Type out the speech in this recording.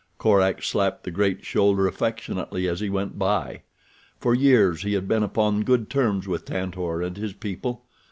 Korak slapped the great shoulder affectionately as he went by. For years he had been upon good terms with Tantor and his people.